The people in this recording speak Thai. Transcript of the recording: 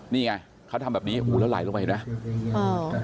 นี่ไงเขาทำแบบนี้แล้วไหลลงไปเห็นไหม